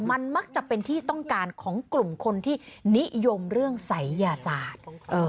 มันมักจะเป็นที่ต้องการของกลุ่มคนที่นิยมเรื่องศัยยศาสตร์